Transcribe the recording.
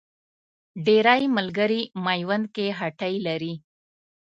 ډېری ملګري میوند کې هټۍ لري.